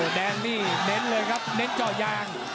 แดงนี่เน้นเลยครับเน้นเจาะยาง